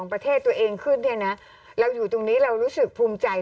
ประเทศตัวเองขึ้นเนี่ยนะเราอยู่ตรงนี้เรารู้สึกภูมิใจ